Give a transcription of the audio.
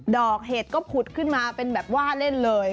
เห็ดก็ผุดขึ้นมาเป็นแบบว่าเล่นเลย